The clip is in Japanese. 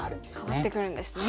変わってくるんですね。